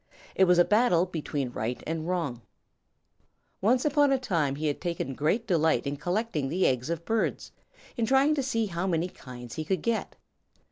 It was a battle between right and wrong. Once upon a time he had taken great delight in collecting the eggs of birds, in trying to see how many kinds he could get.